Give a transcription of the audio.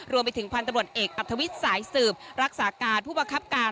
รวมไปถึงพันธบรวจเอกอัธวิทย์สายสืบรักษาการผู้บังคับการ